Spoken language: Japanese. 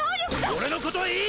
俺のことはいい！